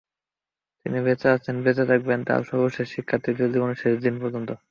তিনি বেঁচে আছেন, বেঁচে থাকবেন তাঁর সর্বশেষ শিক্ষার্থীর জীবনের শেষ দিন পর্যন্ত।